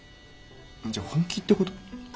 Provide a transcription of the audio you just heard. じゃあ本気ってこと？